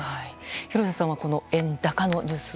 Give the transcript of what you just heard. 廣瀬さんはこの円高のニュース。